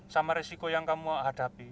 sama resiko yang kamu hadapi